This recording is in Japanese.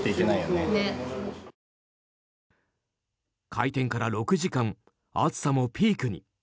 開店から６時間暑さもピークに。